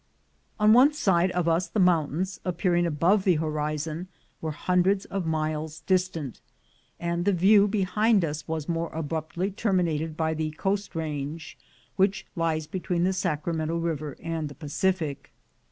On either side of us the mountains, appearing above the horizon, were hundreds of miles distant, and the view behind us was more abruptly terminated by the Coast Range, which lies between the Sacramento river and the Pacific.